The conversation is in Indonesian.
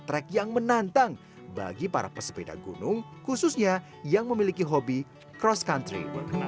track yang menantang bagi para pesepeda gunung khususnya yang memiliki hobi cross country